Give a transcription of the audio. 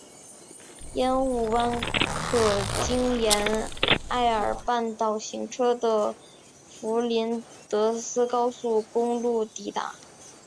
烟雾湾可经沿艾尔半岛行车的弗林德斯高速公路抵达。